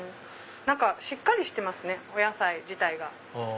しっかりしてますねお野菜自体が。